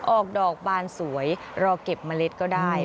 ออกดอกบานสวยรอเก็บเมล็ดก็ได้